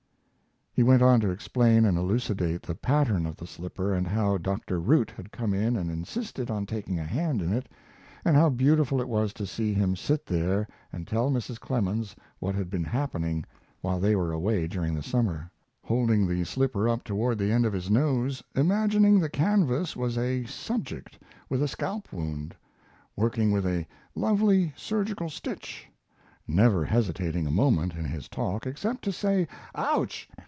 He went on to explain and elucidate the pattern of the slipper, and how Dr. Root had come in and insisted on taking a hand in it, and how beautiful it was to see him sit there and tell Mrs. Clemens what had been happening while they were away during the summer, holding the slipper up toward the end of his nose, imagining the canvas was a "subject" with a scalp wound, working with a "lovely surgical stitch," never hesitating a moment in his talk except to say "Ouch!"